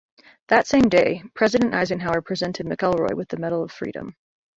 That same day, President Eisenhower presented McElroy with the Medal of Freedom.